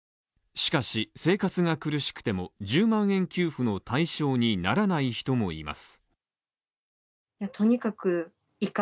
しかし、生活が苦しくても１０万円給付の対象にならない人もいます。